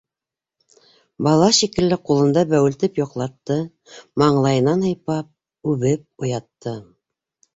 Бала шикелле ҡулында бәүелтеп йоҡлатты, маңлайынан һыйпап, үбеп уятты...